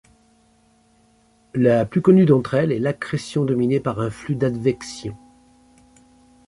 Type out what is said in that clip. La plus connue d'entre elles est l'accrétion dominée par un flux d'advection.